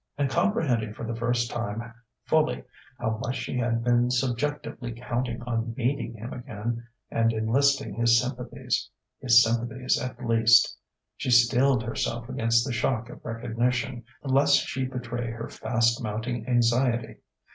And comprehending for the first time fully how much she had been subjectively counting on meeting him again and enlisting his sympathies his sympathies at least she steeled herself against the shock of recognition, lest she betray her fast mounting anxiety.